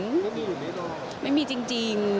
ไม่มีหรือไม่รอไม่มีจริง